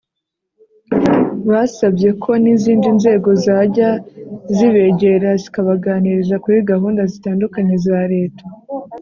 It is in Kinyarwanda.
Basabye ko n izindi nzego zajya zibegera zikabaganiriza kuri gahunda zitandukanye za leta